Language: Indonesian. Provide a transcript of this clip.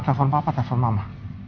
telepon papa telepon mama